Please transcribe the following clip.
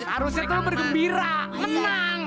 harusnya tuh bergembira menang